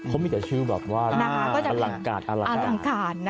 เขามีแต่ชื่อแบบว่าอลังการนะคะ